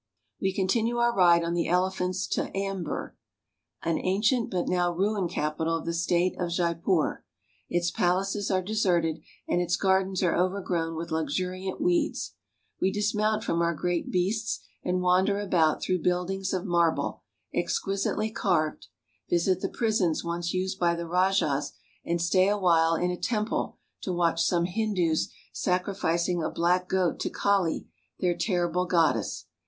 We continue our ride on the elephants to Ambir, an ancient but now ruined capital of the State of Jaipur. Its' palaces are deserted and its gardens are overgrown with luxuriant weeds. We dismount from our great beasts, and wander about through buildings of marble, exquisitely carved, visit the prisons once used by the rajahs, and stay awhile in a temple to watch some Hindus sacrificing a black goat to Kali, their terrible goddess.